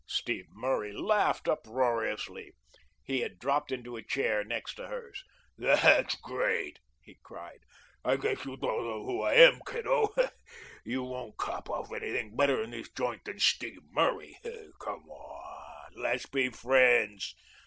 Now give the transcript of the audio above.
Steve Murray laughed uproariously. He had dropped into a chair next to hers. "That's great!" he cried. "I guess you don't know who I am, kiddo. You won't cop off anything better in this joint than Steve Murray. Come on let's be friends.